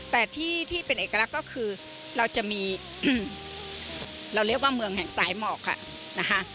แต่ที่ที่เป็นเอกลักษณ์ก็คือเราจะมีเราเรียกว่าเมืองแห่งสายหมอกค่ะนะคะ